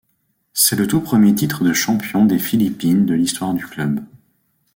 C'est le tout premier titre de champion des Philippines de l'histoire du club.